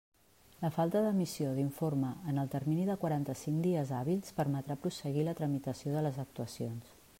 La falta d'emissió d'informe en el termini de quaranta-cinc dies hàbils permetrà prosseguir la tramitació de les actuacions.